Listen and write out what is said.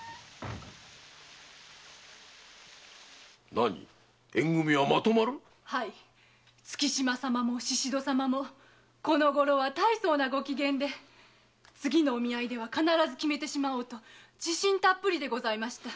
何縁組はまとまる⁉はい月島様も宍戸様もこのごろは大層なご機嫌で次のお見合いで必ず決めようと自信たっぷりでございました。